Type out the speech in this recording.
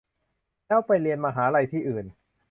แล้วไปเรียนมหาลัยที่อื่น